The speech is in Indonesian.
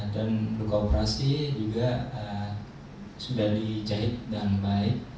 dan luka operasi juga sudah dijahit dan baik